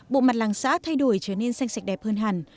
bộ mặt làng xã thay đổi trở nên xanh sạch đẹp hơn hẳn